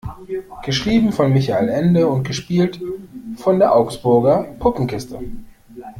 Geschrieben von Michael Ende und gespielt von der Augsburger Puppenkiste.